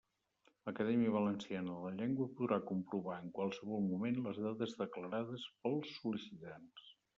L'Acadèmia Valenciana de la Llengua podrà comprovar en qualsevol moment les dades declarades pels sol·licitants.